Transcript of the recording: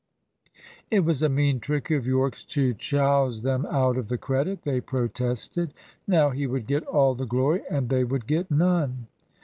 It was a mean trick of Yorke's to "chowse" them out of the credit, they protested. Now he would get all the glory, and they would get none.